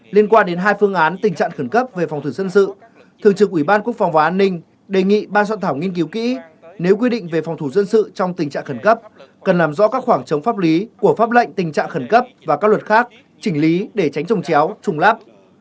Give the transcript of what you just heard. liên quan đến hai phương án tình trạng khẩn cấp về phòng thủ dân sự thường trực ủy ban quốc phòng và an ninh đề nghị ban soạn thảo nghiên cứu kỹ nếu quy định về phòng thủ dân sự trong tình trạng khẩn cấp cần làm rõ các khoảng trống pháp lý của pháp lệnh tình trạng khẩn cấp và các luật khác chỉnh lý để tránh trồng chéo trùng lắp